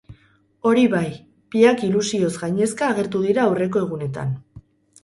Hori bai, biak ilusioz gainezka agertu dira aurreko egunetan.